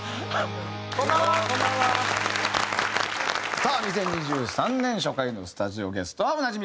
さあ２０２３年初回のスタジオゲストはおなじみ